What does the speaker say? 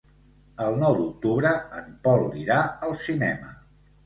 El nou d'octubre en Pol irà al cinema.